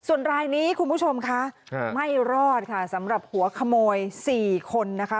ส่วนรายนี้คุณผู้ชมคะไม่รอดค่ะสำหรับหัวขโมย๔คนนะคะ